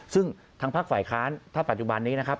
ซึ่งทางภาคฝ่ายค้านถ้าปัจจุบันนี้นะครับ